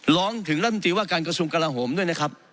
ร้องถึงรัฐมนตรีว่าการกระทรวงกลาโหมด้วยนะครับ